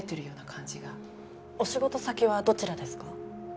お仕事先はどちらですか？